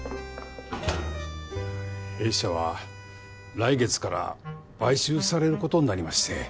弊社は来月から買収される事になりまして。